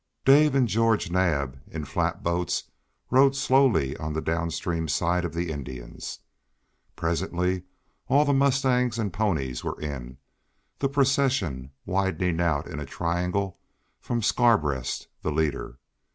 Dave and George Naab in flat boats rowed slowly on the down stream side of the Indians. Presently all the mustangs and ponies were in, the procession widening out in a triangle from Scarbreast, the leader.